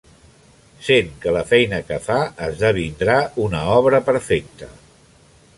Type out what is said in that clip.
Sent que la feina que fa esdevindrà una obra perfecta.